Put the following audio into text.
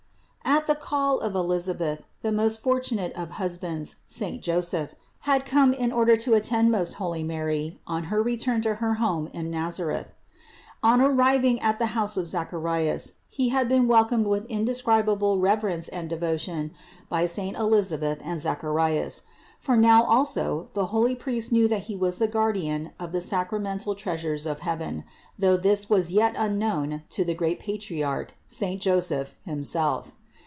304. At the call of Elisabeth, the most fortunate of husbands, saint Joseph, had come in order to attend most holy Mary on her return to her home in Nazareth. On arriving at the house of Zacharias he had been wel comed with indescribable reverence and devotion by saint Elisabeth and Zacharias; for now also the holy priest knew that he was the guardian of the sacramental treas ures of heaven, though this was yet unknown to the great patriarch saint Joseph himself.